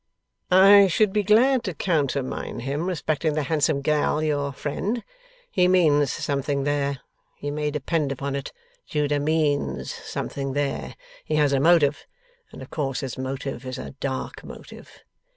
'I should be glad to countermine him, respecting the handsome gal, your friend. He means something there. You may depend upon it, Judah means something there. He has a motive, and of course his motive is a dark motive.